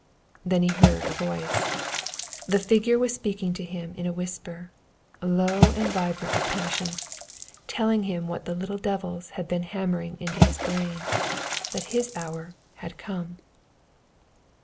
Then he heard a voice. The figure was speaking to him in a whisper, low and vibrant with passion, telling him what the little devils had been hammering into his brain that his hour had come.